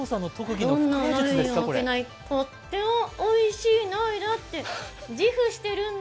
どんな鍋にも負けない、とってもおいしい鍋だって、自負しているんだ！